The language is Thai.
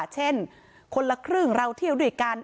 เช่นคนละครึ่งเราเที่ยวด้วยกัน